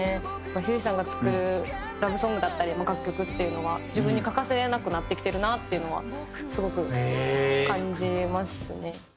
ひゅーいさんが作るラブソングだったり楽曲っていうのは自分に欠かせなくなってきてるなっていうのはすごく感じますね。